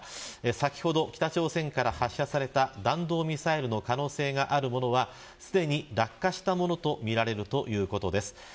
先ほど北朝鮮から発射された弾道ミサイルの可能性があるものはすでに落下したものとみられるということです。